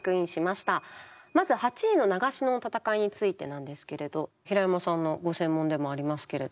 まず８位の長篠の戦いについてなんですけれど平山さんのご専門でもありますけれど。